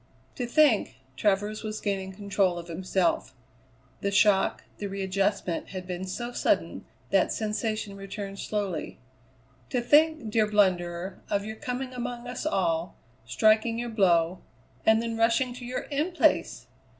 "To think" Travers was gaining control of himself; the shock, the readjustment, had been so sudden that sensation returned slowly "to think, dear blunderer, of your coming among us all, striking your blow, and then rushing to your In Place!